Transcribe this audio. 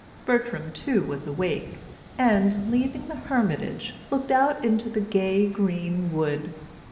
Bertram, too, was awake, and, leaving the hermitage, looked out into the gay, green wood.